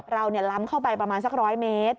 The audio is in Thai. ล้ำเข้าไปประมาณสัก๑๐๐เมตร